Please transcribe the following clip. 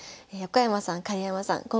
横山さん狩山さん